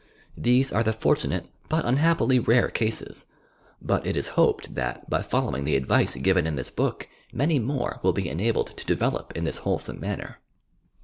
These are the for tunate — but unhappily rare cases; but it is hoped that, by following the advice given in this book, many more will be enabled to develop in this wholesome manner.